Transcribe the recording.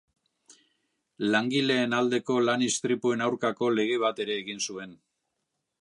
Langileen aldeko lan-istripuen aurkako lege bat ere egin zuen.